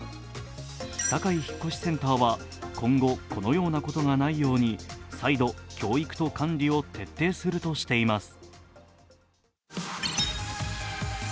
サカイ引越センターは、今後このようなことがないように再度教育と管理を徹底するとしています。